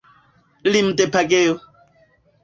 Limdepagejo!